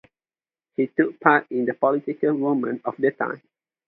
He took part in the political movements of the time.